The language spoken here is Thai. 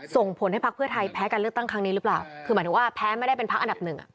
ส่งผลให้พักเพื่อไทยแพ้การเลือกตั้งครั้งนี้หรือเปล่าคือหมายถึงว่าแพ้ไม่ได้เป็นพักอันดับหนึ่ง